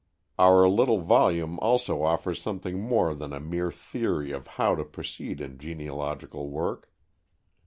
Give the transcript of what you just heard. Our little volume also offers something more than a mere theory of how to proceed in genealogical work.